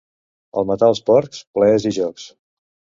Al matar els porcs, plaers i jocs.